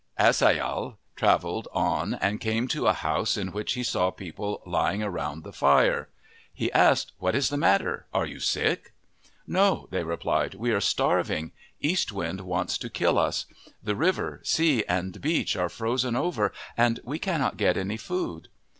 As ai yahal travelled on and came to a house in which he saw people lying around the fire. He asked, " What is the matter? Are you sick ?" "No," they replied, "we are starving. East Wind wants to kill us. The river, sea, and beach are frozen over and we cannot get any food."